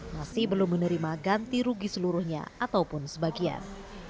masih belum menerima ganti rugi seluruhnya ataupun sebagian